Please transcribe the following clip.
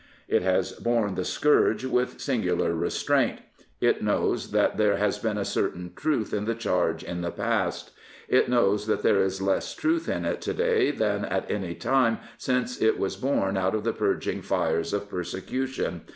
It has borne the scourge with singular restraint. It knows that there has been a certain truth in the charge in the past. It knows that there is less truth in it to day than at any time since it was born out of the purging fires of persecution.